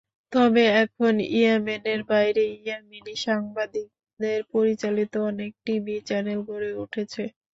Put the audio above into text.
তবে এখন ইয়েমেনের বাইরে ইয়েমেনি সাংবাদিকদের পরিচালিত অনেক টিভি চ্যানেল গড়ে উঠেছে।